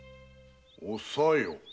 おさよ？